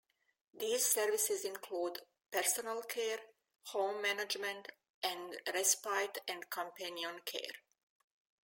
These services include: personal care, home management, and respite and companion care.